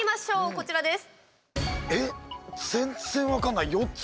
こちらです。